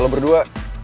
eh lo berdua